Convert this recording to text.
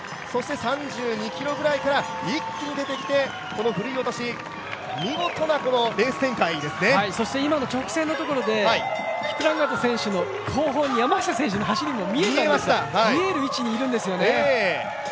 ３２ｋｍぐらいから一気に出てきてふるい落としそして今の直線のところでキプランガト選手の後方に山下選手の走りが、見える位置にいるんですよね。